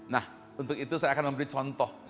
nah untuk itu saya akan memberi contoh